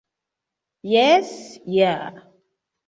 Jes ja...